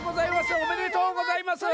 ありがとうございます。